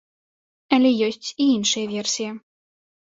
Але ёсць і іншыя версіі.